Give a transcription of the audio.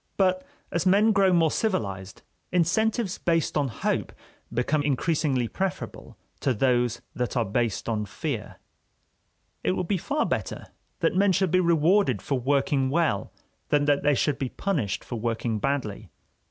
But as men grow more civilized, incentives based on hope become increasingly preferable to those that are based on fear. It would be far better that men should be rewarded for working well than that they should be punished for working badly.